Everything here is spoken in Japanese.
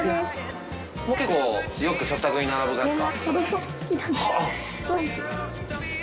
もう結構よく食卓に並ぶ感じですか？